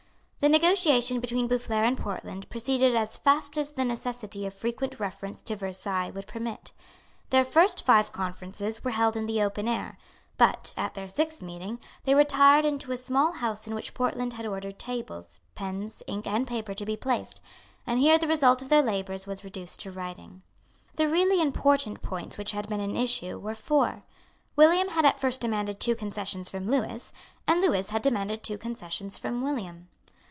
The negotiation between Boufflers and Portland proceeded as fast as the necessity of frequent reference to Versailles would permit. Their first five conferences were held in the open air; but, at their sixth meeting, they retired into a small house in which Portland had ordered tables, pens, ink and paper to be placed; and here the result of their labours was reduced to writing. The really important points which had been in issue were four. William had at first demanded two concessions from Lewis; and Lewis had demanded two concessions from William.